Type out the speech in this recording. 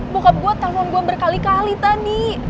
bokap gue telpon gue berkali kali tadi